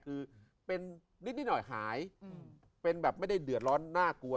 คือเป็นนิดหน่อยหายเป็นแบบไม่ได้เดือดร้อนน่ากลัว